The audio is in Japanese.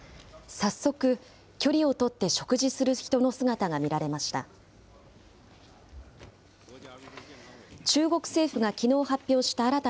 早速、距離を取って食事する人の姿が見られました。